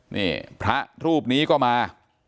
นี่พระรูปนี้ก็มา